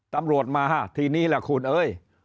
ตำรวจมาทีนี้ล่ะคุณเอ้ย